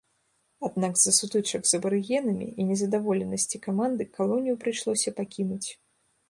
Аднак з-за сутычак з абарыгенамі і незадаволенасці каманды калонію прыйшлося пакінуць.